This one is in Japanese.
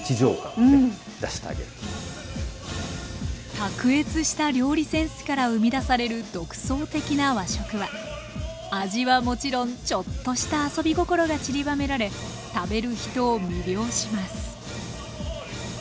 卓越した料理センスから生み出される独創的な和食は味はもちろんちょっとした遊び心がちりばめられ食べる人を魅了します